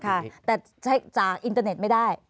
แต่จากอินเทอร์เน็ตไม่ได้